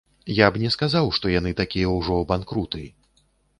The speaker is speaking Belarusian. Я б не сказаў, што яны такія ўжо банкруты.